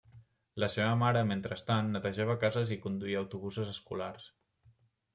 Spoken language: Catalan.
La seva mare, mentrestant, netejava cases i conduïa autobusos escolars.